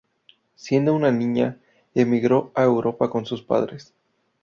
Siendo aún niña emigró a Europa con sus padres.